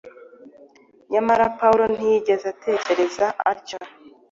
Nyamara Pawulo ntiyigeze atekereza atyo